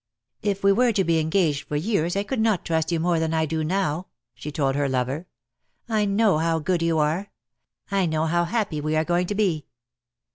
"If we were to be engaged for years I could not trust you more than I do now," she told her lover. "I know how good you are. I know how happy we are going to be."